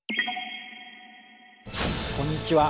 こんにちは。